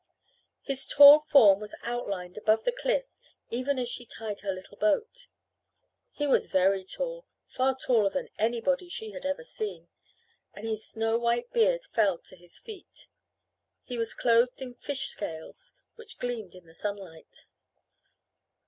His tall form was outlined above the cliff even as she tied her little boat. He was very tall, far taller than anybody she had ever seen, and his snow white beard fell to his feet. He was clothed in fish scales which gleamed in the sunlight.